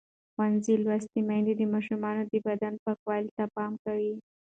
ښوونځې لوستې میندې د ماشومانو د بدن پاکوالي ته پام کوي.